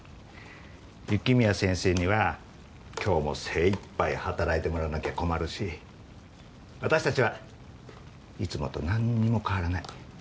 雪宮先生には今日も精いっぱい働いてもらわなきゃ困るし私たちはいつもとなんにも変わらない。